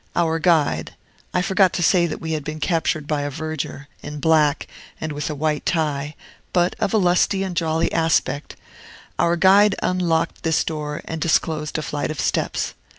Our guide, I forgot to say that we had been captured by a verger, in black, and with a white tie, but of a lusty and jolly aspect, our guide unlocked this door, and disclosed a flight of steps.